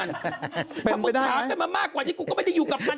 ถ้ามึงถามกันมามากกว่านี้กูก็ไม่ได้อยู่กับมัน